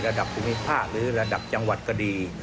ระดับภูมิภาคหรือระดับจังหวัดก็ดี